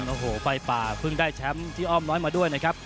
โอ้โหไฟป่าเพิ่งได้แชมป์ที่อ้อมน้อยมาด้วยนะครับ